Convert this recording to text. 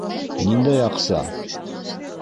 Ниндәй аҡса?..